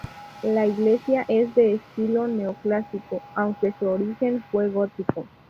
La iglesia es de estilo neoclásico, aunque su origen fue gótico.